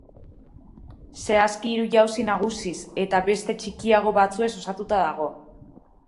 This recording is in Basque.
Zehazki hiru jauzi nagusiz eta beste txikiago batzuez osatuta daude.